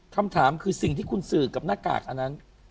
คำถามคือสิ่งที่คุณสื่อกับหน้ากากอันนั้น